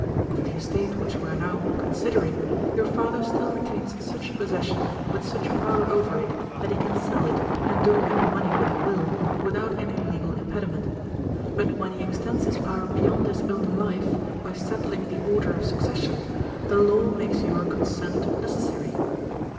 'Of the estate which we are now considering, your father still retains such possession, with such power over it, that he can sell it, and do with the money what he will, without any legal impediment. But when he extends his power beyond his own life, by settling the order of succession, the law makes your consent necessary.